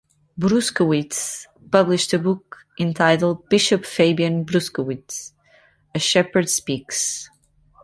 Bruskewitz published a book entitled "Bishop Fabian Bruskewitz: A Shepherd Speaks".